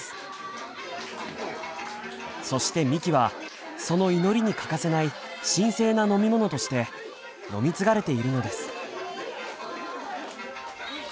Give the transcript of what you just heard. そしてみきはその祈りに欠かせない神聖な飲み物として飲み継がれているのです。